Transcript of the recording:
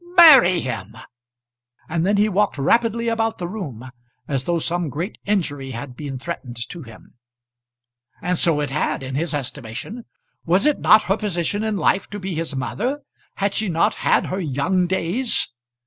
"Marry him!" And then he walked rapidly about the room, as though some great injury had been threatened to him. And so it had, in his estimation. Was it not her position in life to be his mother? Had she not had her young days?